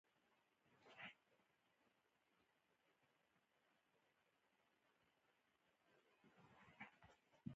بادي انرژي د افغانستان یو ډېر ستر او ارزښتمن ملي طبعي ثروت دی.